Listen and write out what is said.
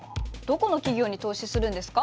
どこの企業に投資するんですか？